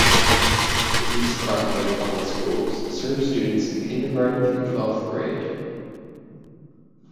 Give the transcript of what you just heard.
The East Brunswick Public Schools serve students in kindergarten through twelfth grade.